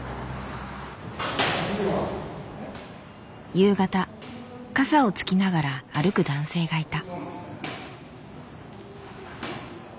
夕方傘をつきながら歩く男性がいた。